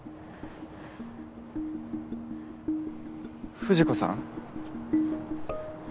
藤子さん？